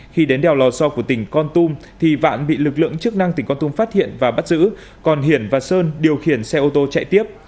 khi đến đèo lò so của tỉnh con tum thì vạn bị lực lượng chức năng tỉnh con tum phát hiện và bắt giữ còn hiển và sơn điều khiển xe ô tô chạy tiếp